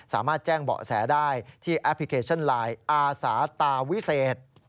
สามารถแจ้งเบาะแสได้ที่แอปพลิเคชันไลน์อาสาตาวิเศษ